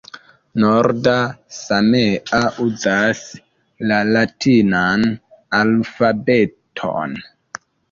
Norda samea uzas la latinan alfabeton.